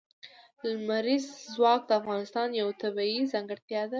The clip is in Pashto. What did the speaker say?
لمریز ځواک د افغانستان یوه طبیعي ځانګړتیا ده.